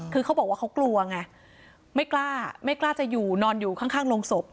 คือเขาบอกว่าเขากลัวไงไม่กล้าไม่กล้าจะอยู่นอนอยู่ข้างโรงศพ